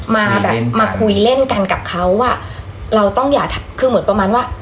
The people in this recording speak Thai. มาแบบมาคุยเล่นกันกับเขาอ่ะเราต้องอย่าคือเหมือนประมาณว่า